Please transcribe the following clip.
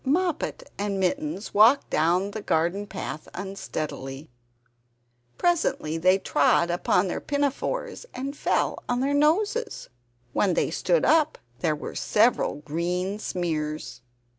Moppet and Mittens walked down the garden path unsteadily. Presently they trod upon their pinafores and fell on their noses. When they stood up there were several green smears!